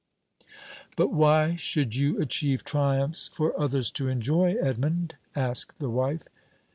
"But why should you achieve triumphs for others to enjoy, Edmond?" asked the wife.